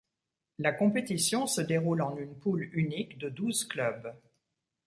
La compétition se déroule en une poule unique de douze clubs.